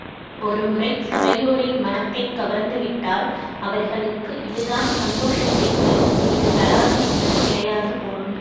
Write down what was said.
ஒரு முறை சபையோரின் மனத்தைக் கவர்ந்துவிட்டால், அவர்களுக்கு இதுதான் சந்தோஷத்தைத் தரும், இது தராது என்பது கிடையாது போலும்.